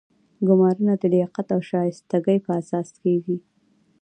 ګمارنه د لیاقت او شایستګۍ په اساس کیږي.